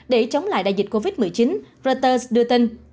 để chống lại đại dịch covid một mươi chín reuters đưa tin